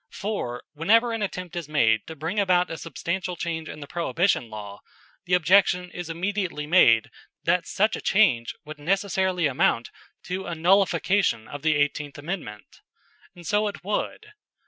For, whenever an attempt is made to bring about a substantial change in the Prohibition law, the objection is immediately made that such a change would necessarily amount to a nullification of the Eighteenth Amendment. And so it would.